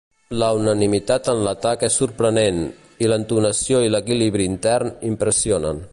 La unanimitat en l'atac és sorprenent, i l'entonació i l'equilibri intern impressionen.